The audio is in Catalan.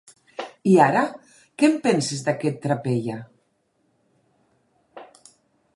I ara, què en penses d'aquest trapella?